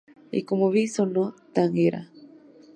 Y, como bis, sonó "Tanguera".